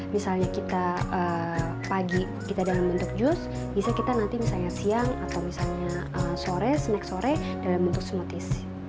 misalnya kita pagi kita dalam bentuk jus bisa kita nanti misalnya siang atau misalnya sore snack sore dalam bentuk smoothies